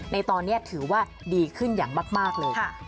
ในตอนนี้ถือว่าดีขึ้นอย่างมากเลย